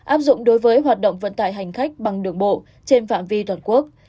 áp dụng đối với hoạt động vận tải hành khách bằng đường bộ trên phạm vi toàn quốc